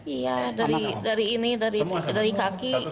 iya dari ini dari kaki